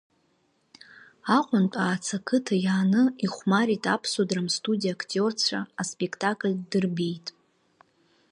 Аҟәантә Аацы ақыҭа иааны ихәмарит Аԥсуа драмстудиа актиорцәа, аспектакль ддырбеит.